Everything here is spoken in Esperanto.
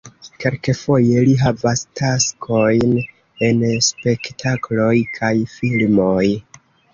Kelkfoje li havas taskojn en spektakloj kaj filmoj.